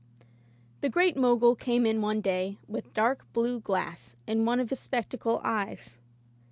The Great Mogul came in one day with dark blue glass in one of his spectacle eyes.